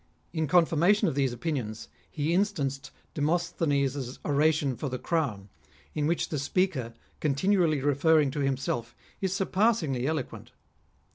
In confirma tion of these opinions, he instanced Demosthenes' Oration for the Crown, in which the speaker, continually referring to himself, is surpassingly eloquent.